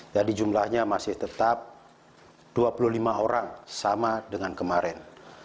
jadi jumlahnya masih tetap dua puluh lima orang sama dengan kemarin